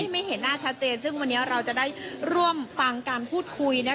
ไม่เห็นหน้าชัดเจนซึ่งวันนี้เราจะได้ร่วมฟังการพูดคุย